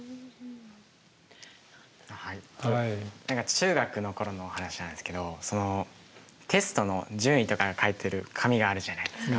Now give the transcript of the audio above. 中学の頃の話なんですけどテストの順位とかが書いてある紙があるじゃないですか。